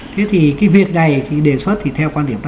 thế thì cái việc này thì đề xuất thì theo quan điểm